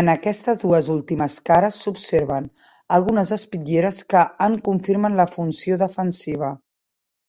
En aquestes dues últimes cares s'observen algunes espitlleres que en confirmen la funció defensiva.